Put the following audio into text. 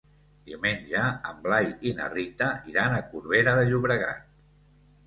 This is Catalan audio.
Diumenge en Blai i na Rita iran a Corbera de Llobregat.